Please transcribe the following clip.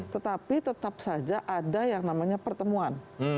tetapi tetap saja ada yang namanya pertemuan